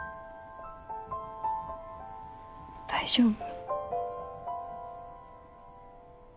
大丈夫？